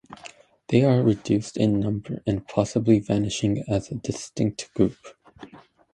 They are reduced in number and possibly vanishing as a distinct group.